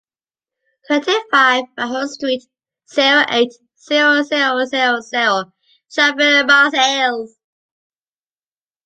Twenty-five Bahut street, zero eight, zero zero zero Charleville-Mézières